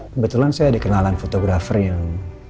kebetulan saya dikenalan fotografer yang